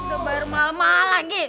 kebar mal mal lagi